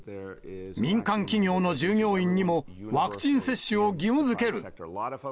民間企業の従業員にもワクチン接種を義務づける。